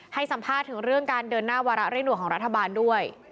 ให้สัมภาษณ์ถึงเรื่องการเดินหน้าวาระเร่งด่วนของรัฐบาลด้วย